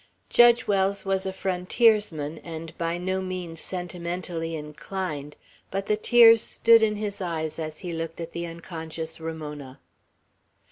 Judge Wells was a frontiersman, and by no means sentimentally inclined; but the tears stood in his eyes as he looked at the unconscious Ramona.